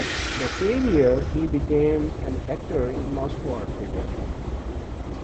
That same year he became an actor in the Moscow Art Theatre.